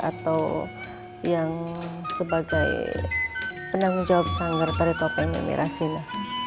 atau yang sebagai penanggung jawab sanggar terikopi mimi rasina